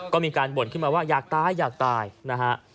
ก็มีการบ่นขึ้นมาว่าอยากตายอยากตายนะฮะ